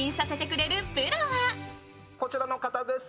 こちらの方です。